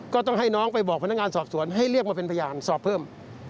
ก็ต้องให้น้องไปบอกพนักงานสอบสวนให้เรียกมาเป็นพยานสอบเพิ่ม